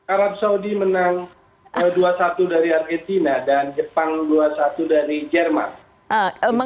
arab saudi menang dua satu dari argentina dan jepang dua satu dari jerman